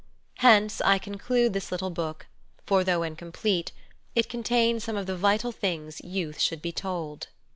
Hence I conclude this little book, for, though incomplete, it contains some of the vital things youth should be told.